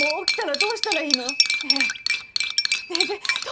どうしたらいいの！？